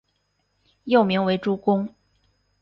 幼名为珠宫。